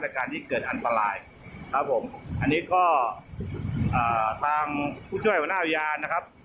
การที่เกิดอันตรายครับผมอันนี้ก็อ่าทางผู้ช่วยหัวหน้าอุทยานนะครับ